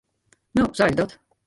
No, sa is dat.